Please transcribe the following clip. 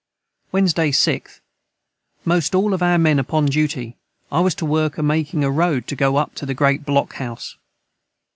Wednesday 6th. Most all of our men upon duty I was to work a making a road to go up to the great Block House.